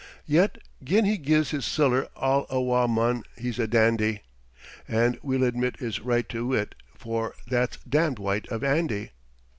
Yet, gin he gies his siller all awa, mon, he's a dandy, An' we'll admit his right to it, for "That's damned white of Andy!"